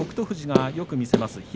富士がよく見せます